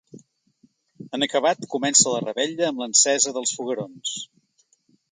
En acabat, comença la revetlla, amb l’encesa dels foguerons.